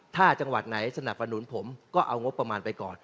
ถ้าจังหวัดไหนสนับสนุนผมก็เอางบประมาณไปก่อน